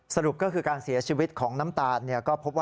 สรุปก็คือการเสียชีวิตของน้ำตาด